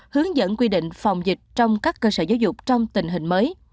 hướng dẫn quy định phòng dịch trong các cơ sở giáo dục trong tình hình mới